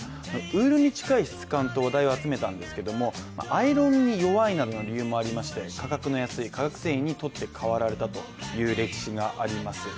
ウールに近い質感と話題を集めたんですけどアイロンに弱いなどの理由もありまして、価格の安い化学繊維に取って代わられたという歴史があります。